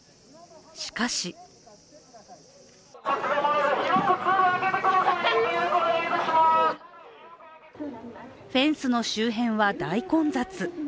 しかしフェンスの周辺は大混雑。